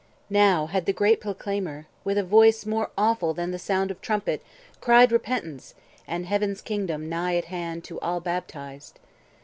Now had the great Proclaimer, with a voice More awful than the sound of trumpet, cried Repentance, and Heaven's kingdom nigh at hand 20 To all baptized.